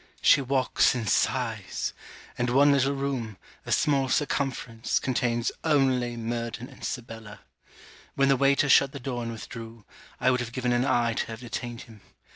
She walks and sighs: and one little room, a small circumference, contains only Murden and Sibella. When the waiter shut the door and withdrew, I would have given an eye to have detained him.